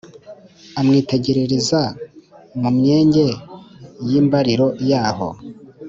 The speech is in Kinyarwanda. amwitegerereza mumyenge yimbariro yaho.